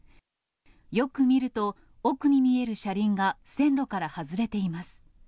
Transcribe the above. よく見ると、奥に見える車輪が線路から外れています。